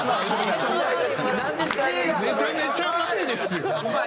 めちゃめちゃ前ですよ。